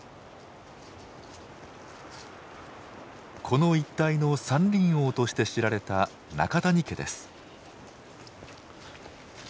この一帯の山林王として知られた中谷家です。